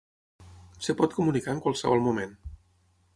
Es pot comunicar en qualsevol moment.